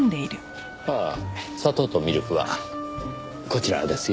ああ砂糖とミルクはこちらですよ。